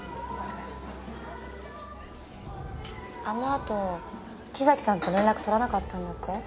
あの後木崎さんと連絡取らなかったんだって？